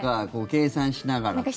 計算しながらって。